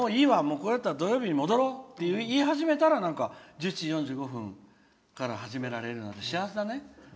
これだったら土曜日に戻ろうって言い始めたら１１時４５分から始められるようになって幸せだね。